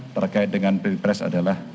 terkait dengan ppres adalah